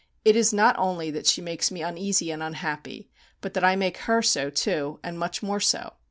It is not only that she makes me uneasy and unhappy, but that I make her so too, and much more so.